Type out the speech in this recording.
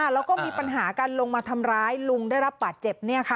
แล้วก็มีปัญหากันลงมาทำร้ายลุงได้รับบาดเจ็บ